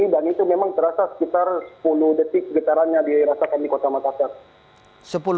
dan itu memang terasa sekitar sepuluh detik getarannya dirasakan di kota makassar